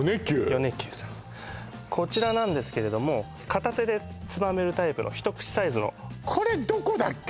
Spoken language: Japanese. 米久さんこちらなんですけれども片手でつまめるタイプの一口サイズのこれどこだっけ？